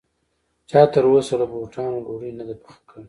چا تر اوسه له بوټانو ډوډۍ نه ده پخه کړې